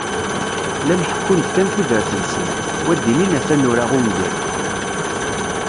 Llan ḥekkun-d kan tudert-nsen, u ad d-inin ata nura ungal.